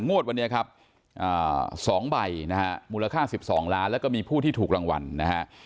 งวดวันนี้ครับ๒ใบนะฮะมูลค่า๑๒ล้านแล้วก็มีผู้ที่ถูกรางวัลนะฮะ